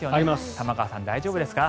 玉川さん、大丈夫ですか？